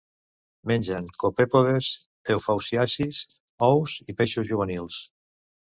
Mengen copèpodes, eufausiacis, ous i peixos juvenils.